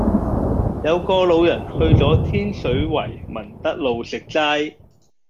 有個老人去左天水圍民德路食齋